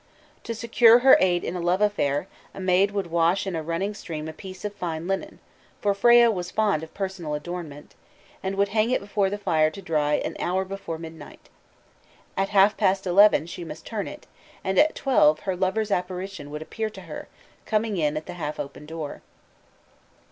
To secure her aid in a love affair, a maid would wash in a running stream a piece of fine linen for Freya was fond of personal adornment and would hang it before the fire to dry an hour before midnight. At half past eleven she must turn it, and at twelve her lover's apparition would appear to her, coming in at the half open door.